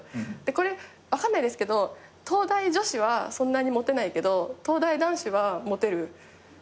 これ分かんないですけど東大女子はそんなにモテないけど東大男子はモテる。